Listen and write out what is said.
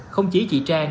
không chỉ chị trang